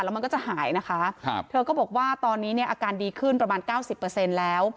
แล้วมันก็จะหายนะคะครับเธอก็บอกว่าตอนนี้เนี่ยอาการดีขึ้นประมาณเก้าสิบเปอร์เซ็นต์แล้ว